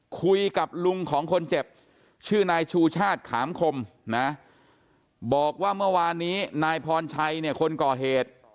คุยกับลุงของคนเจ็บชื่อนายชูชาติขามคมนะบอกว่าเมื่อวานนี้นายพรชัยเนี่ยคนก่อเหตุ